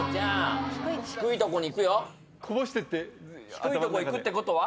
低いとこいくってことは？